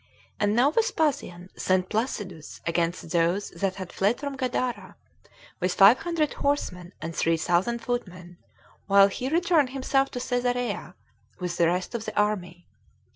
4. And now Vespasian sent Placidus against those that had fled from Gadara, with five hundred horsemen, and three thousand footmen, while he returned himself to Cesarea, with the rest of the army.